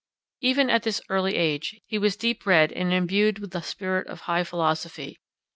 Even at this early age, he was deep read and imbued with the spirit of high philosophy.